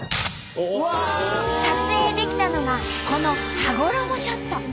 撮影できたのがこの羽衣ショット！